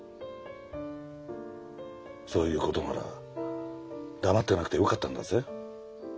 そういうことなら黙ってなくてよかったんだぜ。